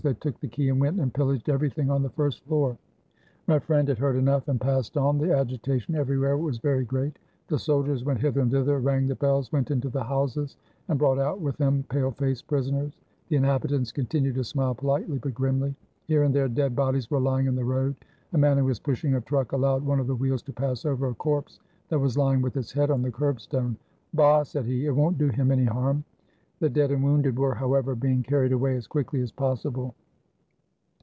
They took the key and went and pillaged everything on the first floor!" My friend had heard enough, and passed on. The agitation everywhere was very great. The soldiers went hither and thither, rang the bells, went into the houses and brought out with them pale faced prisoners. The inhabitants continued to smile politely but grimly. Here and there dead bodies were lying in the road. A man who was pushing a truck allowed one of the wheels to pass over a corpse that was lying with its head on the curbstone. "Bah!" said he, "it won't do him any harm." The dead and wounded were, however, being carried away as quickly as possible.